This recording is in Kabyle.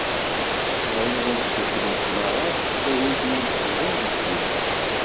Bɣi ad dduklent meṛṛa tutlayin timaziɣen deg yiwet.